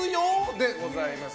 でございます。